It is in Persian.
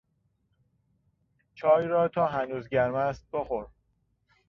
چای را تا هنوز گرم است بخور.